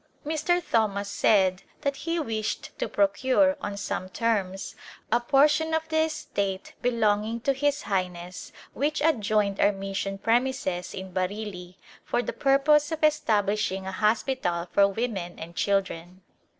Mr. Thomas said that he wished to procure, on some terms, a portion of the estate belonging to His Highness which adjoined our mission premises in Bareilly, for the purpose of establishing a hospital for women and children.